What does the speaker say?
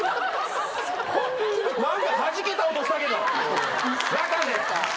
何かはじけた音したけど中で。